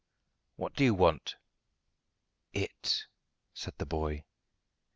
"What do you want?" "It," said the boy.